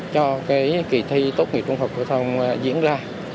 cho cái kỳ thi tốt nghiệp trung học phổ thông diễn ra